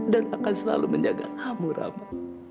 dan akan selalu menjaga kamu rama